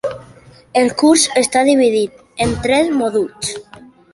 El curs està dividit en tres mòduls.